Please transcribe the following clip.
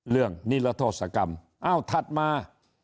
เรื่องนิรัทธสกรรมเอาถัดมา